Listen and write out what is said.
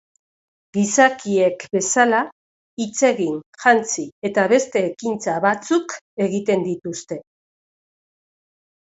Gizakiek bezala hitz egin, jantzi eta beste ekintza batzuk egiten dituzte.